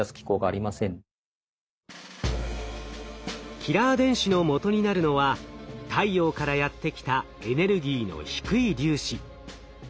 キラー電子のもとになるのは太陽からやって来たエネルギーの低い粒子。